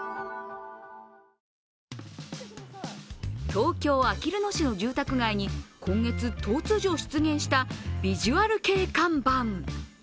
東京・あきる野市の住宅街に今月、突如出現したビジュアル系看板。